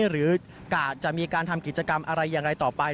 หรือจะมีการทำกิจกรรมอะไรอย่างไรต่อไป